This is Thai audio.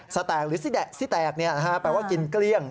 แตกหรือซิแตกแปลว่ากินเกลี้ยง